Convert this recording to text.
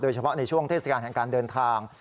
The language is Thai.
เฉพาะในช่วงเทศกาลแห่งการเดินทาง